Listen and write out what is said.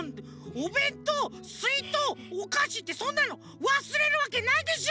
おべんとうすいとうおかしってそんなのわすれるわけないでしょ！